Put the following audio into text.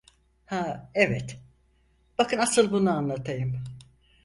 Ha, evet, bakın asıl bunu anlatayım.